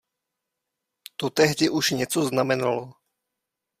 To tehdy už něco znamenalo.